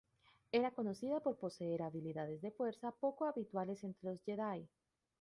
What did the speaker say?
Era conocida por poseer habilidades de la Fuerza poco habituales entre los Jedi.